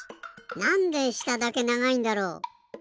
なんでしただけながいんだろう？